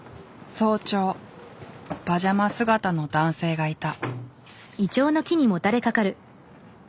早朝パジャマ姿の男性がいた。